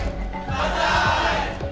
万歳！